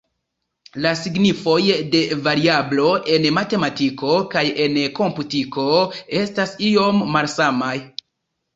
La signifoj de variablo en matematiko kaj en komputiko estas iom malsamaj.